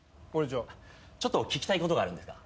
ちょっと聞きたいことがあるんですが。